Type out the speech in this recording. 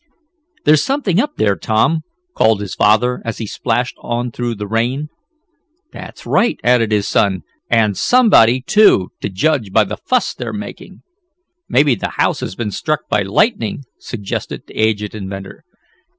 "There's something up there, Tom," called his father, as he splashed on through the rain. "That's right," added his son. "And somebody, too, to judge by the fuss they're making." "Maybe the house has been struck by lightning!" suggested the aged inventor.